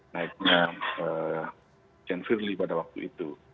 naiknya jen firly pada waktu itu